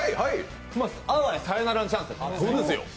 あわやサヨナラのチャンスですよね。